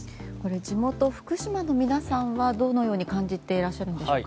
地元・福島の皆さんはどのように感じているのでしょうか。